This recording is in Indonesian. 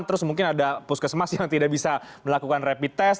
terus mungkin ada puskesmas yang tidak bisa melakukan rapid test